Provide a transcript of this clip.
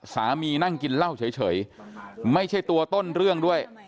นั่งกินเหล้าเฉยไม่ใช่ตัวต้นเรื่องด้วย